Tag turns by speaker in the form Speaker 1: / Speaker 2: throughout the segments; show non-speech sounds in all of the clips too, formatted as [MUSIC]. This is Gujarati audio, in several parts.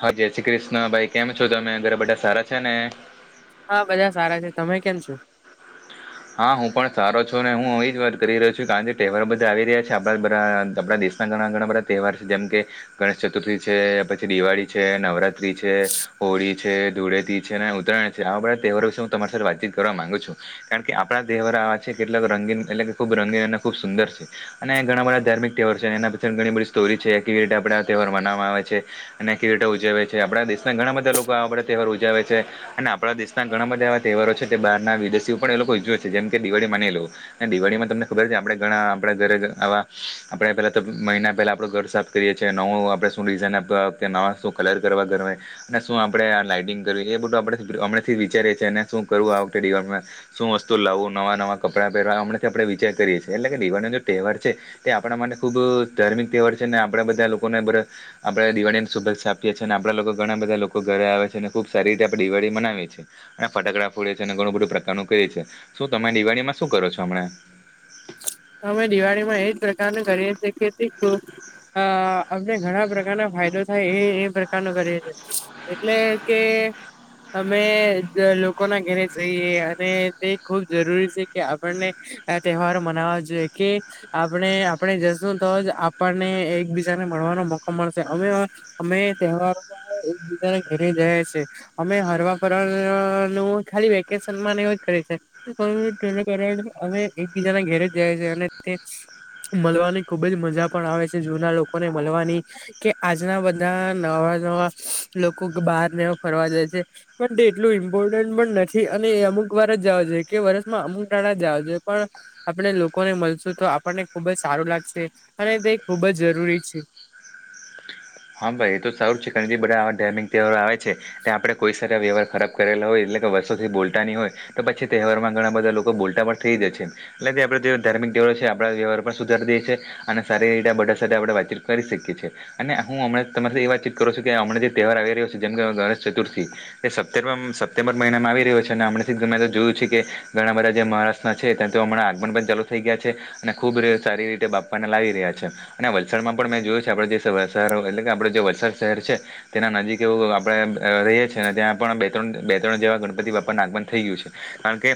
Speaker 1: હા જય શ્રી કૃષ્ણ ભાઈ કેમ છો તમે ઘરે બધા સારા છે ને
Speaker 2: હા બધા સારા છે તમે કેમ છો
Speaker 1: હા હું પણ સારો છું ને હું એ જ વાત કરી રહ્યો છું કારણ કે ટેવર બધા આવી રહ્યા છે આપણા બધા આપ દેશના ઘણા ઘણા બધા તહેવાર છે જેમ કે ગણેશ ચતુર્થી છે પછી દિવાળી છે નવરાત્રી છે હોળી છે ધૂળેથી છે ઉત્તરાયણ છે આવા બધા તહેવારો વિશે હું તમારી સાથે વાતચીત કરવા માંગુ છુ કારણ કે આપણા તહેવાર આવા છે કેટલાક રંગીન એટલે કે ખુબ રંગીન અને ખુબ સુંદર છે અને ઘણા બધા ધાર્િક તહેવાર એનાી ઘણી બધી સ્ટોરી છે કેવી રીતે આપ તહેવાર મનાવામાં આવે છે અને કેવી રીતે ઉજવે છે આપણા દેશના ઘણા બધા લોકો આવા બધા તહેવાર ઉજાવે છે, અને આપણા દેશના ઘણા બધા એવા તહેવારો છે, તે બારના વિદેશી પણ એ લોકો ઉજવે છે, જેમ કે દિવાળી માની લો દિવાળીમાં તમને ખબર છે, આપણે ઘણા આપણા ઘરે જ આવા આપણે પહેલા તો મહિના પહેલાં આપણે ઘર સાફ કરીએ છીએ નવું આપણે શું ડિઝાઇન આપવા કે નવા શું કલર કરવા ઘર હોય અને શું આપડે આ લાઈટિંગ કરીએ એ બધું આપડાથી અમણેથી વિચારીએ છે, અને શું કરવું આ વખતે દિવાલમાં શું વસ્તુ લાવું નવા નવા કપડાં પહેરવા હમડાથી આપણે વિચાર કરીએ છીએ એટલે કે દિવાળનો તહેવાર છે, તે આપણા મા ટે ખુબ ધાર્મિક તહેવાર છે, ને આપણે બધા લોકોને બધા આપણેે દિવાળની શુભેચછા આપીએ છીએ અને આપણા લોકો ઘણા બધા લોકો ઘરે આવે છે, અને ખુબ સારી રીતે આપડે દિવાળી મનાવીએ છે, અને ફટાકડા ફોડીએ છે, અને ઘણું બધું પ્રકારનું કેય છે, શું તમે દિવાળીમાં શું કરો છો હમણા?
Speaker 2: અમે દિવાળીમાં એજ પ્રકારને કરીએ છે કે [UNINTELLIGIBLE] અ અમને ઘણા પ્રકારના ફાયદો થાય એ એ પ્રકારનો કરી દ એટલે કે અમે લોકો ના ઘેરે જઈએ અને તે ખુબ જરૂરી છે કે આપણને હ તહેવાર મનાવ જોઈએ કે આપણે આપણે જશું તોજ આપણને એકબીજાને મળવાનો મકો મળશે અમે અમે તહેવારો એકબીજા ઘરે જયા છે અમે હરવા ફર નું ખાલી વેકેશન તેનું કારણ અમે એકબીજાના ઘેરે જ જાય છેી અને મળવાની ખુબ જ મજા પણ આવે છે જૂના લોકોને મળવાની કે આજના બધા નવા [UNINTELLIGIBLE] લોકો બહાર નેવા ફરવા જાય છે, પણ એટલું ઇમ્પોર્ટન્ટ પણ નથી અને અમુક વાર જ જાવો જોયે કે વરસમાં અમુક દાળા જ જાવા જોઈએ પણ આપણે લોકોને મલશું તો આપણને ખૂબ જ સારું લાગશે અને તે ખૂબ જ જરૂરી છે.
Speaker 1: હા ભાઈ એ તો સારું છે, કારણ કે બધા આવા ડેમિંગ તેહવારો આવે છે ત્યા આપડે કોઈ વ્યવાર ખરાબ કરેલા હોય એટલે કે વર્ષોથી બોલતાની હોય તો પછી તહેવારમાં ઘણા બધા લોકો બોલતા પણ થઈ જાય છે. એટલે કે આપડે જે ધાર્મિક તહેવારો છે, આપડા વ્યવહાર પણ સુધારી દે છે, અને સારી રીતે આ બધા સાથે આપણે વાતચીત કરી શીખી છે, અને હું હમણે તમારથી એ વા ચીત કરું છું કે હમણા જે તહેવાર આવી રહ્યો છે જેમ કે ગણેશ ચતુર્થી એ સતરવમ સત્યમ [UNINTELLIGIBLE] મહિનામાં આવી રહ્યો છે, ને અમણેથી જ મેતો જોયું છે, કે ઘણા બધા જે મહારાષ્ટ્રના છે, ત્યા તો હમણા આગમન પણ ચાલુ થઈ ગ [UNINTELLIGIBLE] અને ખુબ રે સારી રીતે બાપ્પા ને લાવી રહ્યા છે, અને વલસાડમાં પણ મેં જોયું છે, આપડે જે ધારોકે એટલે કે આપડે જે વલસાડ શહેર છે, તેના નજીક એવું આપણે રહીએ છીએ અને ત્યાં પણ બે ત્રણ બે ત્રણ જેવા ગણપતિ બાપ્પાનુ આગમન થઈ ગયું છે, કારણ કે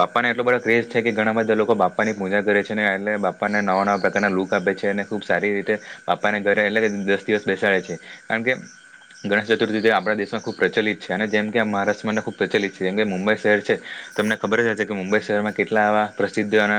Speaker 1: બાપ્પાને એટલો બધા ક્રેજ છે કે ઘણા બધા લોકો બાપ્પા પ્પાની પૂજા કરે છેને એટલે બાપાને નવા નવા પ્રકારના લુક આપે છે, અને ખુબ સારી રીતે બાપાને ઘ રે એટલે દસ દિવસ બેસાડે છે, કારણ કે ગણેશ ચતુર્થી જે આપણા દેશમાં ખુબ પ્રચલિત છે, અને જેમ કે મહારાષ્ટ્ર માટેને ખુબ પ્રચલિત છે, જેમ કે મુંબઈ શહેર છે. તમને ખબર જ હશે કે મુંબઈ શહેરમાં કેટલા એવા પ્રસિદ્ધ અને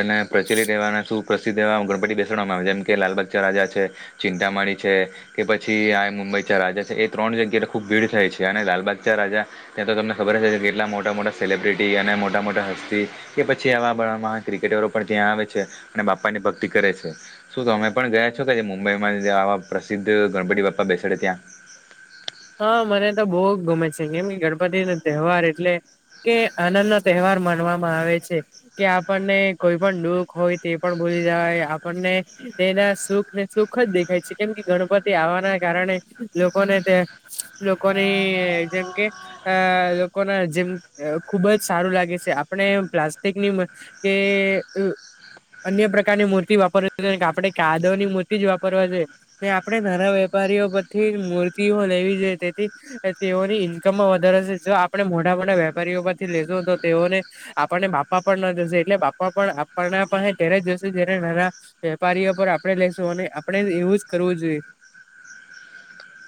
Speaker 1: અને પ્ર પ્રચલિત એવા અને શુ પ્રસિદ્ધ તેવા ગણપતિ બેસાડવામાં આવે છે, જેમ કે લાલબગચાર રાજા છે. ચિંતામાણી છે, કે પછી આ મુંબઈ ચા રાજા છે, એ ત્રણ જગ્યા ખુબ ભીડ થાય છે, અને લાલબા ગ ચા રાજા ત્યાં તો તમને ખબર જ હશે કેટલા મોટા મોટા સેલિબ્રિટી અને મોટા મોટા હસ્તી કે પછી આવા આપણામા ક્રિકેટરો પણ ત્યાં આવે છે, અને બાપ્પાની ભક્તિ કરે છે, શું તો તમે પણ ગયા છો કે જે મુંબઈમાં જે આવા પ્રસિદ્ધ ગણપતિ બાપ્પા બેસાડે ત્યાં
Speaker 2: હા મને તો બો ગમે છે, કેમ કે ગણપતિ નો તહેવાર એટલે કે આનંદ નો તહેવાર માનવામાં આવે છે, કે આપણને કોઈ પણ દુઃખ હોય તે પણ ભુ જાય આપણને તેના સુખ ને સુખ જ દેખાય છે, કેમ કે ગણપતિ આવવાના કારણે લોકો ને ત્યા લોકોની જેમ કે અ લોકો ના જેમ ખુબ જ સારું લાગે છે આપણે પ્લાસ્ટિકની કે અન્ય પ્રકારની મૂર્તિ વાપરવી આપણે કાદવની મૂર્તિ જ વાપરવા જોઈએ ને આપણે નાના વેપ પારીઓ પરથી જ મૂર્તિઓ લેવી જોઈએ તેથી તેઓની ઈન્કમમાં વધારે છે, જો આપણે મોટા મોટા વેપારીઓમાંથી લેશું તો તેઓને. આપણને બાપા પણ ના જશે એટલે બાપા પણ આપણા પાસે ત્યારે જશે જ્યારે નાના વેપારી. આપડે લઈેશું અને આપણે એવું જ કરવું જોઈએ.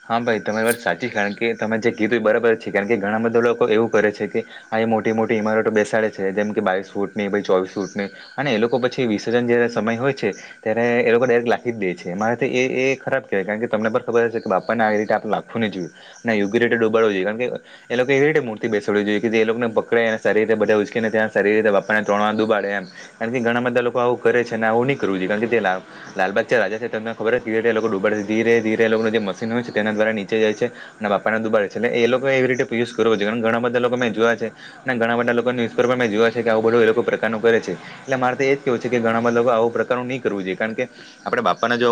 Speaker 1: હા ભાઈ તમારી વાત સાચી કારણ કે. કે તમે જે કીધું એ બરાબર છે કારણ કે ઘણા બધા લોકો એવું કરે છે કે આ મોટી મોટી ઇમારતો બેસાડે છે. જેમકે બાવીસ ફૂટની ચોવીસ ફૂટની અને એ લોકો પછી વિસર્જન જયારે સમય હોય છે ત્યારે એ લોકો. લાખી જ દે છે મારે એ એ ખરાબ કેવાય કારણ કે તમને પણ ખબર હશે કે બાપ. પા ને આવી રીતે આપ લાખું ની જોય એ યોગ્ય રીતે ડુબાડો જોઈએ કારણકે એ લોકો એવી રીતે મૂર્તિ બેસડવી જોઈ કે એ લોકને. પકડે ને સારી રીતે બધા ઉચકીને ને ત્યાં સારી રીતે બાપાને ત્રણ વાર દુબાડે એમ એનાથી ઘણા બધા લોકો આવું કરે છે. આવું ની કરવુ જોઈએ કારણકે લાલ લાલબાગ ચા રાજા છે તમને ખબર છે કેવી રીતે લોકો ડુબાડે છે ધીરે ધીરે લોકો જે તેના દ્વારા નીચે જાય છે અને બાપા દુબાડે છે એલોકો એ લોકો એવી પીયુઝ કરો જોઈએ ઘણા બધા લોકો મેં જોયા. છે ને ઘણા બધા લોકો ન્યુઝેપર મે જોયા છે કે આવું બધું એ લોકો પ્રકાર નુ છે એલે મારે તો એ જ કેવું છે કે ઘણા બધા. આવું પ્રકારનું નહી કરવું જોઈએ કારણ કે આપણે બાપાને જો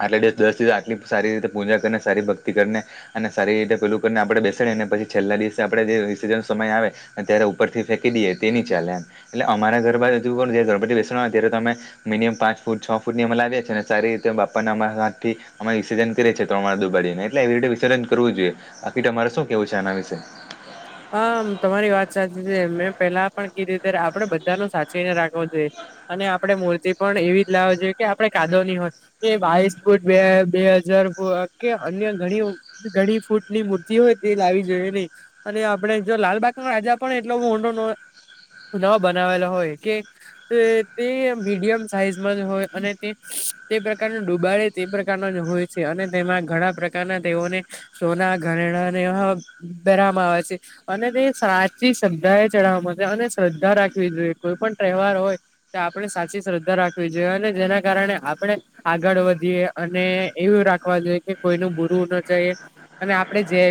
Speaker 1: આટલા દિવસ દસ દી આટલી. સારી રીતે પૂજા કરીને સારી ભક્તિ કરીને અને સારી રીતે પેલું કરીને આપણે બેસાડી અને પછી છેલ્લા દિવસે આપણે જે વિસર્જનનો સમય આવે ત્યારે ઉપરથી ફેકી દઈએ તેની ચાલે એમ એટલે અમારા ઘર બાજુ પણ જે ગણપતિ ત્યારે તમે મિનિમમ પાંચ ફૂટ છ ફૂટની અમે લીવીએ છે, અને સારી રીતે બાપ્પાને અમારા હાથથી વિસર્જન કરે છે, ત્રણ વાર દુબાડીને એટલે એવી રીતે વિસર્જન કરવું જોઈએ બાકી તમારે શું કેવું છે, આના વિશે?
Speaker 2: આમ તમારી વાત સાચી છે મેં પેલા પણ કે રીતે આપણે બધાનો સાચવીને રાખવો જોઈએ અને આપડે મૂર્તિ પણ એવી જ લાવ જોઈએ કે આપડે કાદોવની હોય એ બાવીસ ફૂટ બે હજાર કે અ અન્ય ઘણી ઘણી ફૂટ કૂટની મૂર્તિ હોય તે લાવી જોઈએ ની અને આપડે જો લાલબાગનો રાજા પણ એટલો મોટો નો નવો બનાવેલો હોય કે અ તે મીડિયમ સાઈઝમાં જ હોય અને તે તે પ્રકારનું ડુબાડે તે પ્રકારનો જ હોય છે, અને તેમાં ઘણા પ્રકારના તેઓને સોના ઘરેણા ન હ બરા. વામા આવે અને તે સાચી શ્રદ્ધા એ ચડાવવા અને શ્રદ્ધા રાખવી જોઈએ કોઈ પણ તહેવાર. હોય આપણે સાચી શ્રદ્ધા રાખવી જોઈએ અને જેના કારણે આપણે આગળ વધીએ અને. એ એવું રાખવા જોઈએ કે કોઈ ન બુરું ન જઈ અને આપણે જે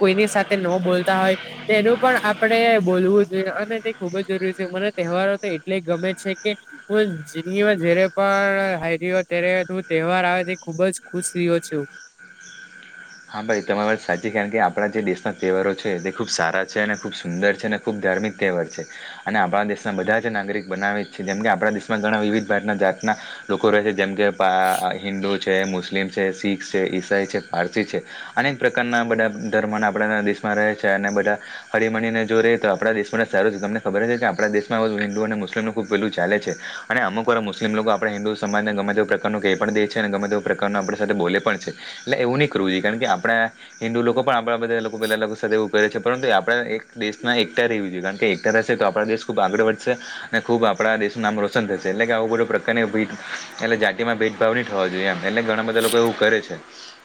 Speaker 2: કોઈની સાથે. ન બોલતા હોય તેનું પણ આપણે બોલવું જોઈએ અને તે ખૂબ જ જરૂરી છે મને તહેવારો. એટલે ગમે છે કે હ જીદગી માં જયારે પણ હા ઈ હો ત્યારે તહેવાર આવે. ખુબ જ ખુશ રહ્યો છું.
Speaker 1: [INAUDIBLE] હા ભાઈ તમારી વાત સાચી કારણ કે આપણા જે દેશના તહેવારો છે તે ખુબ સારા છે અને ખુબ સુંદર છે અને ખુબ ધાર ર્મિક તહેવાર છે અને આપણા દેશના બધા જ નાગરિક બનાવે છે જેમ કે આપણા દેશમાં ઘણા વિવિધ ભાગતના જાતના. લોકો રહે છે જેમ કે પા હિન્દુ છે મુસ્લિમ છે શીખ છે ઈસાઈ છે પારસી છે. અનેક પ્રકારના બધા ધર્મ ના આપણા દેશમાં રહે છે અને બધા હળમણીને જો રે તો આપણા દેશ. સારું છે તમને ખબર છે કે આપણા દેશમાં હિન્દુ અને મુસ્લિમનું ખૂબ પેલું ચાલે છે અને અમુક વાર મુસ્લમ લોકો આપણે. હિન્દુ સમાજને ગમે તે એવા પ્રકાર નો કેઈ પણ દે છે અને ગમે તેવા પ્રકારનું આપણે સાથે બોલે પણ છે એટલે એવું નહી કરવુંઈ. કારણ કે આપણા હિન્દુ લોકો પણ આપણા બધા લોકો પેલા લોકો સાથે એવું કરે છે પરંતુ આપણા દેશના એકતા રે વી જોઈએ કારણ કે એકતા રહેશે તો આપણા દેશ ખૂબ આગળ વધશે અને ખૂબ આપણા દેશનું નામ રોશન થશે એટલે કે આવ બધો પ્રકારની. એટલે જાતિ માં ભેદભાવ નહી થવા જોઈએ એમ એટલે ઘણા બધા લોકો એવું કરે છે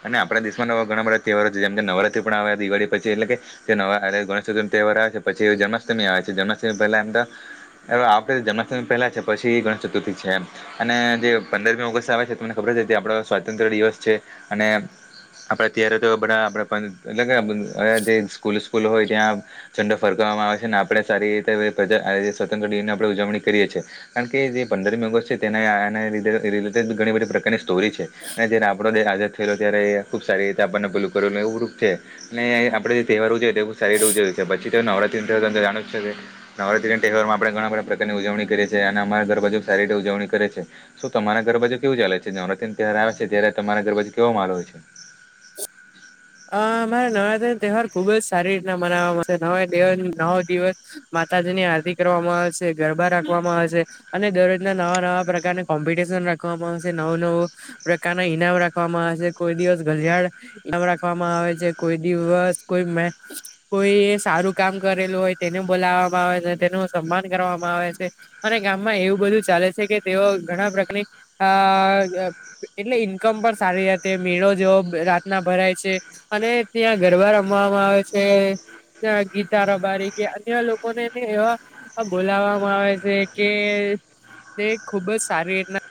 Speaker 1: અને આપણા દેશ. નવા ઘણા બધા તહેવારો છે જેમ કે નવરાત્રી પણ આવે દિવાળી પછી એટલે કે જે નવા ગણેશ ચતુર્થી તેવાર આવે છે પછી. જન્માષ્ટમી આવે છે જન્માષ્ટમી પહેલામ તો. હ આ ફેરી જન્માષ્ટમી પહેલા છે પછી ગણેશ ચતુર્થી છે અને જે પંદરમી ઓગસ્ટ આવે છે તમને ખબર. આપણે સ્વાતંત્ર દિવસ છે અને આપણે અત્યારે તો બધા આપ એટલે કે જે સ્કૂલ સ્કૂલ હોય ત્યાં ંડો ફરક આવે છેને આપણેે સારી રીતે સ્વતંત્ર દિનની આપણે ઉજવણી કરીએ છીએ કારણ કે જે પંદરમી ઓગસ્ટ તે રિલેટેડ ઘણી બધી પ્રકારની સ્ટોરી છે અને જયારે આપણો આાદ થયેલો ત્યારે ખૂબ સારી રીતે આપણને ભલું કરેલ એવુંૂપ છે અને આપણે જે તહેવાર જોએ તેુ સારીીતે ઉજય છે પછી તે ન નવરાત્રી ના તહેવારમાં આપણે ઘણા બધા પ્રકારની ઉજવણી કરીએએ અને અમા ઘર બાાજુ સારીજણી ઉજવણી કરે છે તો તમારા ગરબાજ કેવું ચાલે છે નવરાત તહેવાર આવે છે ત્યારે તમારા ગરબાજ કેો માલો હોય છે
Speaker 2: અ મારે નવરાત્રી ન તહેવાર ખુબજ સારી રીતના મનાવામાં નવા દ નવો દિવસ માતાજી ની આરતી કરવામાં આવે છે ગરબા રાખવામાં આવે છે અને દરરોજના નવા નવા પ્રકારના કોમ્પિટશન રાખવામાં આવે છે નવ નવ પ્રકારના ઈનામ રાખવામાં આવે કોઈ દિવસ ઘડિયાળ રા આવે છે કોઈ દિવસ કોઈ મેન્સ કોઈ સારું કામ કરેલું હોય તેને બોલાવા તેનું સન્માન કરવામાં આવે છે અને ગામમાં એવું બધું ચાલે છે કે તેઓ ઘણા પ્રકારની અ એટલે ઈન્કમ પણ સારીરે છે મેળો જેવો રાતના ભરાય છે અને ત્યાં ગરબા રમવામાં આવે છે ના ગીતા રબારી કે અન્ય લોકોનેને એવા બોલાવવામાં આવે છે કે તે ખુબ જ સારી રીતના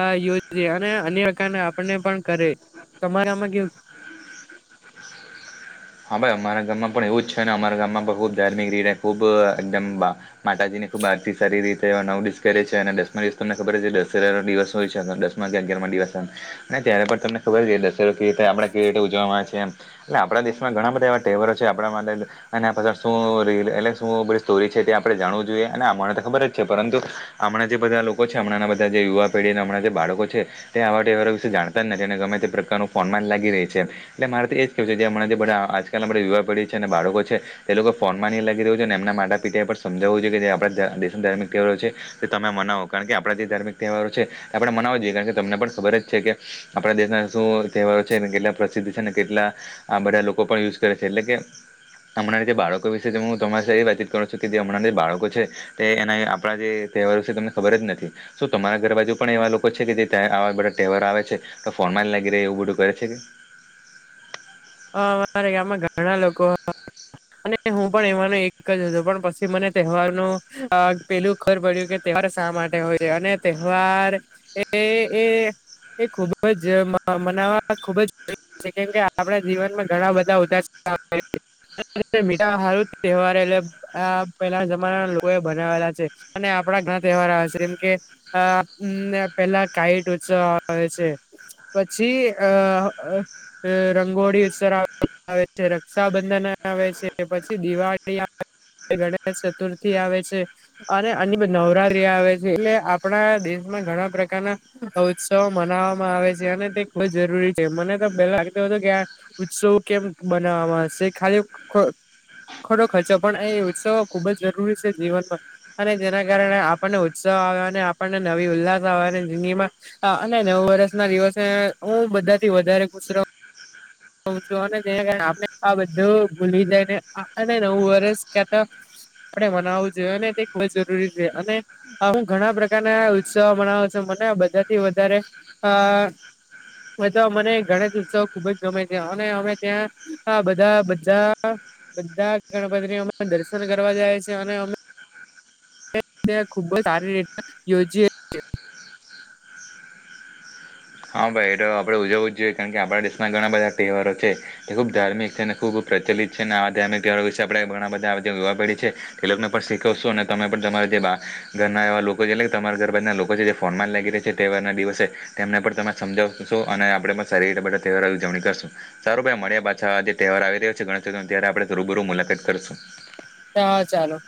Speaker 2: આ યોજે અને અન્યકારને આપને પણ કરે તમારે આમાં કેવું
Speaker 1: [UNINTELLIGIBLE] હા ભાઈ અમારા ગામમાં પણ એવું જ છે ને અમારા ગામમાં પણ ખુબ ધાર્મિક રીતે ખુબ એકદમ માતાજીની ખબ આારતી સારી રીતે એવા નવ દિવસ કરે છે અને દસમા દિવસ તમને ખબર છે દશેરા નો દિવસ હોય છે દસમા કે અગિયારમાં ત્યારે તમને ખબર છે દરોવી રતે આપ કેવી રીતે ઉજવામાં આવે છે એ એટલે આપણાેશ ઘણા બધા એવા ટેવરો છે આપ માટેછ શ એટલે શું બધી સ્ટોરી છે આપણે જાણવું જોઈએ હમણાં તો ખબર જ છે પરંતુ હમણાં જે બધા લોકો છે હમણાં બધા જે યુવા પેઢી હમણાં જે બાળકો છે તે આવાવા વિશે જાણતા જ નથી અને ગમે તે પ્રકારનું ફોન જ લાગી રહી છે એટલેરે તો એ જ કવું છે જે આજકાલ યવા પીઢી છે અને બાળકો છે તે લોકો ફોન ની લાગી રહ્યું છે અને એના માતા પિતાએ પણ સમજાવવું જોઈએ આપ દેશના ધાર્મિક તહેવારો છે તે તમે મનાવો કારણ કે આપણા જે ધાર્મિક તહેવારો છે આપણે મનાવો જોઈએ કારણ કે તમને પણ ખબર જ છે કે આપણા દેશના શું તહેવારો છે કેટલા પ્રસિદ્ધ છે અને કેટલા બધા લોકો લોકો પણ યુઝ કરે છે એટલે કે હમણાં જે બાળકો વિશે હું તમારી એ વાતચીત કરું છું કે જે હમણાં જે બાળકો છે તે એના આપણા જે તેહવાર વિશે તમને ખબર જ નથી શ તમારા ઘર બાજુ પણ એવા લોકો છે કે જે આવા બધા તહેવાર આવે છે તો ફોન લાગી રેવું એવુ બધૂ કરે છે કે
Speaker 2: હ અમારા ગામમાં ઘણા લોકો અને હું પણ એવાનો એક જ હતો પણ પછી મને તહેવારનું પેલું ખબર પડ્યું કે પર શા માટે હોય છે અને તહેવાર એ એ એ ખુબ જ મનાવા ખુબ જરૂરી છે કેમ કે આપડે જીવનમાં ઘણા બધા ઉદાસ આવે છે મીઠા હારુ તહેવાર એટલે આ પેલા જમાનાના લોકો એ બનાવેલા છે આપણા ઘણા તહેવાર આવે છે જેમ કે પેલા કાઈટ ઉત્સવ આવે છે પછી અ હોળી ઉત્સવ આવે છે રક્ષાબંધન આવે છે કે પછી દિવાળી આવે ગણેશ ચતુર્થી આવે છે અને એ બધી નવરાત્રી આવે છે એટલે આપણા દેશ ઘણા પ્રકારના ઉત્સવો મનાવવામાં આવે છે અને તે ખુબ જરૂરી છે મને તો પેલા લાગતું હતું કે આ ઉત્સવો કેમ મનાવા માં આવશે ખાલી ખોટો ખર્ચો પણ એ ઉત્સવો ખુબ જ જરૂરી છે જીવનમાં અને જેના કારણે આપણને ઉત્સાહ આવે અને આપણને નવી ઉલ્લાસ આવે ને ઝિંદગી માં અને નવ વર્ષ ના દિવસે હું બધા બધાથી વધારે ખુશ રહું રહું છું અને તેના કારણે આપણે આ બધું ભૂલી જાય ને આ નવું વર્ષ ક્યા તો આપડે મનાવવું જોઇએ ને તે ખુબ જ જરૂરી છે અને હું ઘણા પ્રકારના ઉત્સવો મનાવ છું મને બધાથી વધારે અ વધારે મને ગણેશ ઉત્સવ ખુબ જ પર ગમે છે અને અમે ત્યાં આ બધા બીજા બધા ગણપતિઓ માં દર્શન કરવા જાય છે અને અમે ખુબ જ સારી રીતના યોજીએ છીએ
Speaker 1: હા ભાઈ એ આપણે ઉજવું જ જોઈએ કારણ કે આપણા દેશમાં ઘણા બધા તહેવારો છે તે ખૂબ ધાર્મિક છે અને ખૂબ લીધેલી જ છે ને આ વિશે આપણે ઘણા બધા યુવા પેઢી છે તેમને પણ શીખવશું અને તમે પણ તમારા જેમ આ ઘરના એવા લોકો છે જે તમારા ઘરબાર ના લોકો છે જે ફોન માં લાગી રહ્યા છે તહેવાર ના દિવસે તેમને પણ સમજાવશું અને આપણે શેરી માં તહેવારો ની ઉજવણી કરશું સારું ભાઈ મળ પાછા જે તહેવાર આવી રહ્યો છે [UNINTELLIGIBLE] તયારે આપણે ત રૂબરૂ મુલાકાત કરશું.
Speaker 2: હા ચાલો.